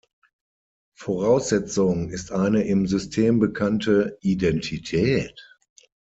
Voraussetzung ist eine im System bekannte Identität.